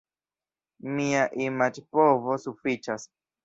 Mia imagpovo sufiĉas.